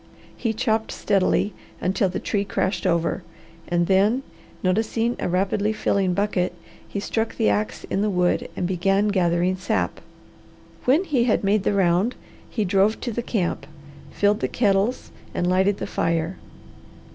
He chopped steadily until the tree crashed over, and then, noticing a rapidly filling bucket, he struck the ax in the wood and began gathering sap. When he had made the round, he drove to the camp, filled the kettles, and lighted the fire.